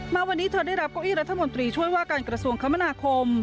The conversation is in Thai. มาวันนี้เธอได้รับเก้าอี้รัฐมนตรีช่วยว่าการกระทรวงคมนาคม